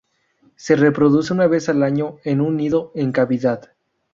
Se reproduce una vez al año en un nido en cavidad.